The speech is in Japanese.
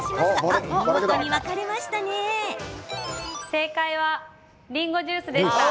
正解は、りんごジュースでした。